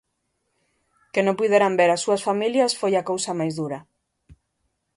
Que non puideran ver as súas familias foi a cousa máis dura.